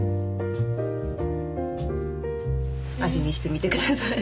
味見してみて下さい。